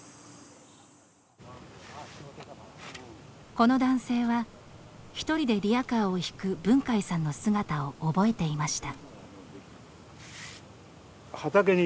この男性は１人でリヤカーを引く文海さんの姿を覚えていました。